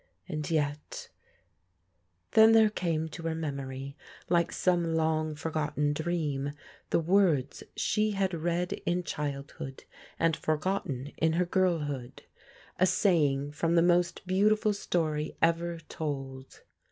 And yet Then there came to her memory, like some long for gotten dream, the words she had read in childhood, and forgotten in her girlhood. A saying from the most beau tif td story ever told.